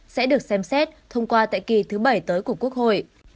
sẽ được xem xét thông qua tại kỳ thứ bảy tới của quốc hội